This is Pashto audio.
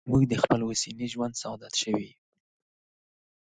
موږ له خپل اوسني ژوند سره عادت شوي یو.